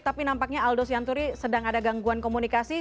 tapi nampaknya aldo sianturi sedang ada gangguan komunikasi